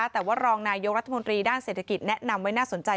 แต่ว่ารองนายกรัฐมนตรีด้านเศรษฐกิจแนะนำไว้น่าสนใจ